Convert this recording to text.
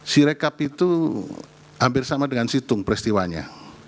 sirekap itu hampir sama dengan situng peristiwanya